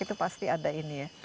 itu pasti ada ini ya